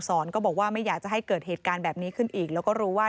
ก็บอกว่าไม่อยากจะให้เกิดเหตุการณ์แบบนี้ขึ้นอีกแล้วก็รู้ว่า